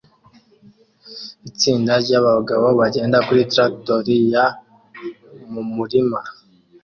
Itsinda ryabantu bagenda kuri traktori ya mumurima